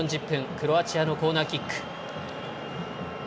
クロアチアのコーナーキック。